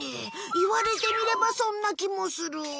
いわれてみればそんなきもする。